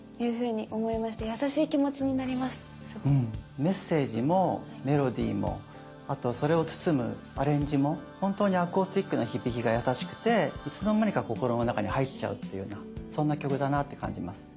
メッセージもメロディーもあとそれを包むアレンジも本当にアコースティックな響きが優しくていつの間にか心の中に入っちゃうっていうようなそんな曲だなって感じます。